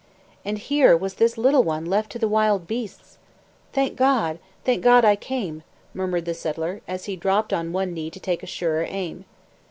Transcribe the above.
And here was this little one left to the wild beasts! "Thank God! Thank God I came!" murmured the settler, as he dropped on one knee to take a surer aim.